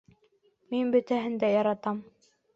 Мин бөтәһен дә яратам